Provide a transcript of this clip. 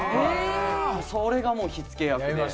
それがもう火付け役で。